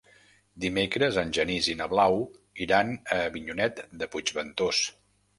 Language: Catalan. Dimecres en Genís i na Blau iran a Avinyonet de Puigventós.